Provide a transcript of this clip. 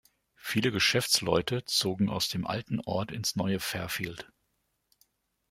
Viele Geschäftsleute zogen aus dem alten Ort ins neue Fairfield.